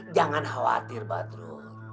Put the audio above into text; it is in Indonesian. jangan khawatir batro